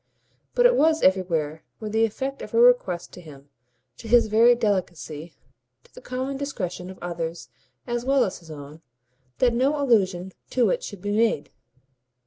But it was everywhere with the effect of a request to him to his very delicacy, to the common discretion of others as well as his own that no allusion to it should be made.